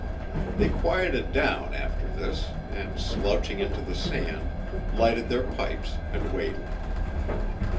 They quieted down after this and, slouching into the sand, lighted their pipes and waited.